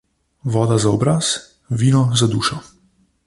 Voda za obraz, vino za dušo.